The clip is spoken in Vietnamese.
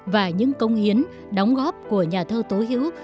và những công hiến đóng góp của nhà thơ tố hữu